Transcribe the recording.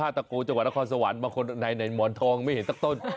ตะโกจังหวัดนครสวรรค์บางคนในหมอนทองไม่เห็นสักต้น